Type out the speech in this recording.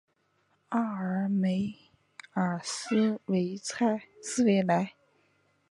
奥尔梅尔斯维莱。